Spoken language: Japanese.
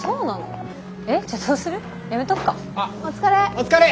お疲れ！